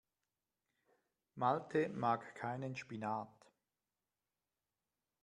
Malte mag keinen Spinat.